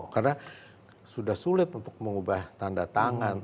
karena sudah sulit untuk mengubah tanda tangan